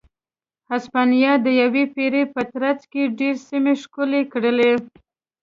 هسپانیا د یوې پېړۍ په ترڅ کې ډېرې سیمې ښکېلې کړې.